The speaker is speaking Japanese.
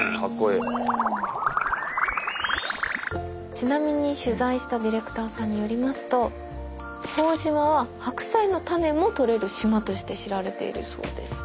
ちなみに取材したディレクターさんによりますと朴島は白菜の種もとれる島として知られているそうです。